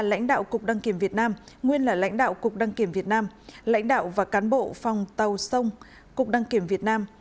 lãnh đạo cục đăng kiểm việt nam nguyên là lãnh đạo cục đăng kiểm việt nam lãnh đạo và cán bộ phòng tàu sông cục đăng kiểm việt nam